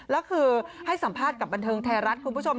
แล้วคือให้สัมภาษณ์กับบันเทิงไทยรัฐคุณผู้ชม